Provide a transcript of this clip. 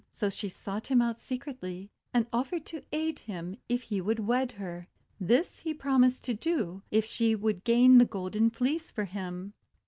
So she sought him out secretly, and offered to aid him if he would wed her. This he promised to do, if she would gain the Golden Fleece for him.